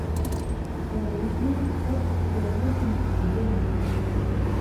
Elle est limitrophe de la République du Bénin.